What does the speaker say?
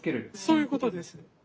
そういうことです。